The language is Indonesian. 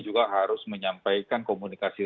juga harus menyampaikan komunikasi